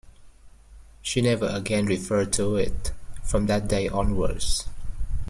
She never again referred to it, from that day onwards.